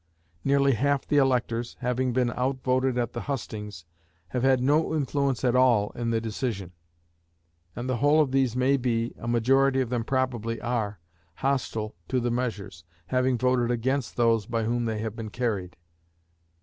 Nearly half the electors, having been outvoted at the hustings, have had no influence at all in the decision; and the whole of these may be, a majority of them probably are, hostile to the measures, having voted against those by whom they have been carried.